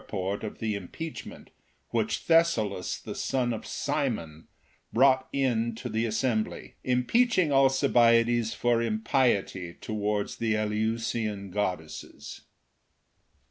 2 5 of the impeachment which Thessalus, the son of Cimon, brought in to the assembly, impeaching Alcibiades for impiety towards the Eleusinian god desses.